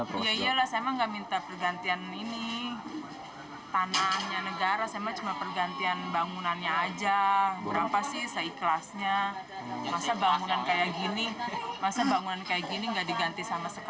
pemerintah provinsi dki jakarta mengatakan bahwa pemerintah tidak akan memiliki pengganti